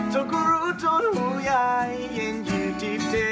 ฟ้ากระโรดีคืนนี้ให้ฉันได้อยู่ข้างใกล้เธอ